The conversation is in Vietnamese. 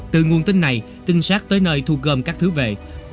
từ nguồn tin này tinh sát tới nơi thu gom các thứ về